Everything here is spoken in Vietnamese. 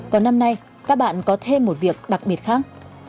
còn năm nay các bạn có thêm một việc đặc biệt khác